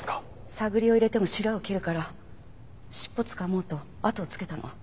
探りを入れてもしらを切るから尻尾つかもうと後をつけたの。